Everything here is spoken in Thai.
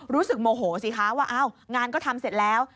รู้สึกโมโหสิคะว่าอ้าวงานก็ทำเสร็จแล้ว